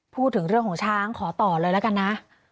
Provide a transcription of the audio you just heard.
พูดถึงเรื่องของช้างขอต่อเลยแล้วกันนะ